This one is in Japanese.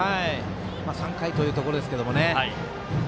３回というところですけどね。